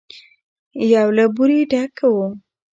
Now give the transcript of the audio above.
يو له بورې ډک و.